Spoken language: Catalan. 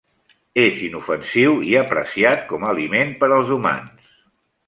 És inofensiu i apreciat com a aliment per als humans.